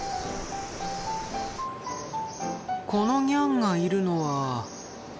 このニャンがいるのは。